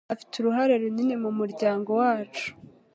Afite uruhare runini mumuryango wacu.